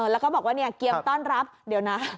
แล้วก็บอกว่าเกียงต้อนรับเดี๋ยวนะ